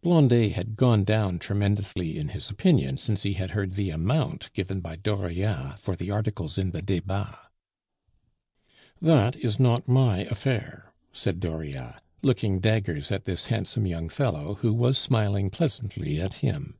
Blondet had gone down tremendously in his opinion since he had heard the amount given by Dauriat for the articles in the Debats. "That is not my affair," said Dauriat, looking daggers at this handsome young fellow, who was smiling pleasantly at him.